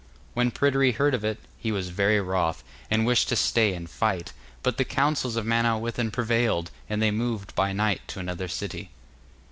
When Pryderi heard of it, he was very wroth, and wished to stay and fight. But the counsels of Manawyddan prevailed, and they moved by night to another city.